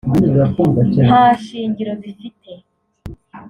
nta shingiro bifite